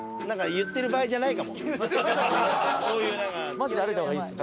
マジで歩いた方がいいです。